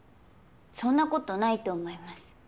そんなことないと思います。